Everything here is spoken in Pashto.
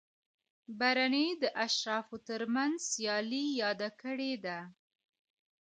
برني د اشرافو ترمنځ سیالي یاده کړې ده.